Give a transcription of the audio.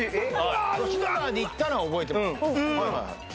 吉野川に行ったのは覚えてますよ。